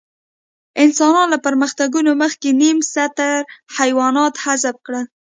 انسانانو له پرمختګونو مخکې نیم ستر حیوانات حذف کړل.